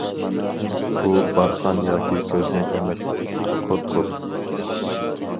بۇ بارخان ياكى كۆزنەك ئەمەس، كوت كوت.